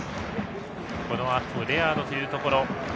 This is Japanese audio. このあとレアードというところ。